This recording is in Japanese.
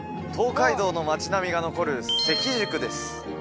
東海道の町並みが残る関宿です